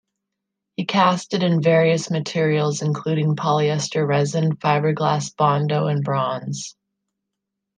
He casted in various materials, including polyester resin, fiberglass, Bondo, and bronze.